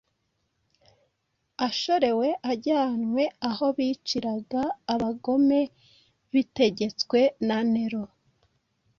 ashorewe ajyanwe aho biciraga abagome bitegetswe na Nero